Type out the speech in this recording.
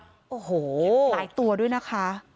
เป็นพระรูปนี้เหมือนเคี้ยวเหมือนกำลังทำปากขมิบท่องกระถาอะไรสักอย่าง